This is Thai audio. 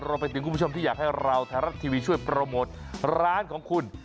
รวมไปถึงคุณผู้ชมที่อยากให้เราไทยรัฐทีวีช่วยโปรโมทร้านของคุณ